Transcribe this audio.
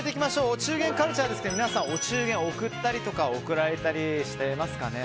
お中元カルチャーですが皆さん、お中元を贈ったりとか贈られたりしていますかね。